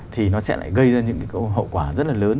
thì nó sẽ lại gây ra những hậu quả rất là lớn